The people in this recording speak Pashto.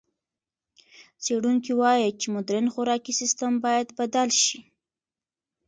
څېړونکي وايي چې مُدرن خوراکي سیستم باید بدل شي.